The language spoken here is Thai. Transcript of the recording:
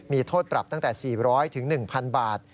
มีโทษปรับตั้งแต่๔๐๐๑๐๐บาท